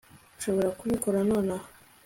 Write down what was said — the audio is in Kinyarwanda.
nshobora kubikora nonaha